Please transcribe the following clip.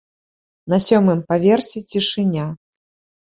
На сёмым паверсе цішыня.